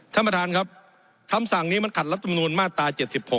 ท่านประธานครับคำสั่งนี้มันขัดรัฐมนูลมาตรา๗๖